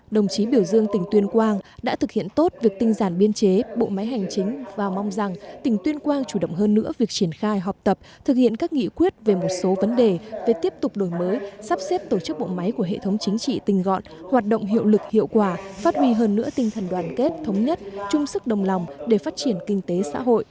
đồng chí biểu dương tỉnh tuyên quang đã thực hiện tốt việc tinh giản biên chế bộ máy hành chính và mong rằng tỉnh tuyên quang chủ động hơn nữa việc triển khai họp tập thực hiện các nghị quyết về một số vấn đề về tiếp tục đổi mới sắp xếp tổ chức bộ máy của hệ thống chính trị tình gọn hoạt động hiệu lực hiệu quả phát huy hơn nữa tinh thần đoàn kết thống nhất chung sức đồng lòng để phát triển kinh tế xã hội